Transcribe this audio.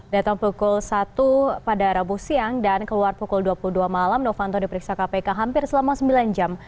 datang pukul satu pada rabu siang dan keluar pukul dua puluh dua malam novanto diperiksa kpk hampir selama sembilan jam